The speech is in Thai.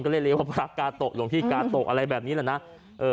ก็เลยเรียกว่าพระกาโตะหลวงพี่กาโตะอะไรแบบนี้แหละนะ